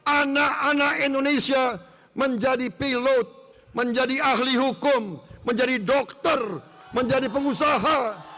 anak anak indonesia menjadi pilot menjadi ahli hukum menjadi dokter menjadi pengusaha